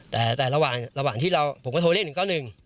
แต่แต่ระหว่างระหว่างที่เราผมก็โทรเรียกหนึ่งก็หนึ่ง